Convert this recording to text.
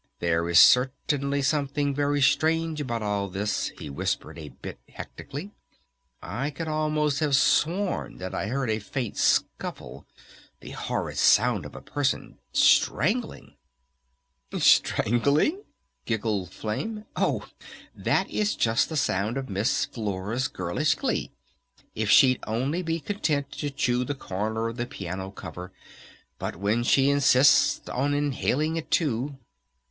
"There is certainly something very strange about all this," he whispered a bit hectically. "I could almost have sworn that I heard a faint scuffle, the horrid sound of a person strangling." "Strangling?" giggled Flame. "Oh, that is just the sound of Miss Flora's 'girlish glee'! If she'd only be content to chew the corner of the piano cover! But when she insists on inhaling it, too!"